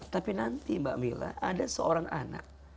tapi nanti mbak mila ada seorang anak